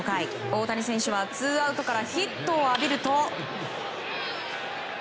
大谷選手はツーアウトからヒットを浴びると。